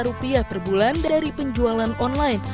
rp lima puluh juta per bulan dari penjualan online